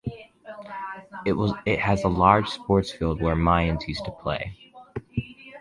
It has a large sports field where Mayans used to play.